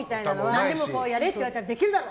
何でもやれって言われたらできるだろ。